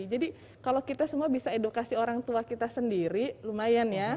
jadi kalau kita semua bisa edukasi orang tua kita sendiri lumayan ya